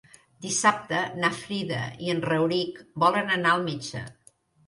Dissabte na Frida i en Rauric volen anar al metge.